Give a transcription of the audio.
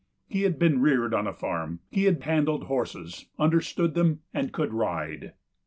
He had been reared on a farm; he had handled horses, understood them, and could ride.